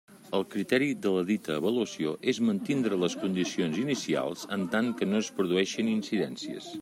El criteri de la dita avaluació és mantindre les condicions inicials, en tant que no es produïxen incidències.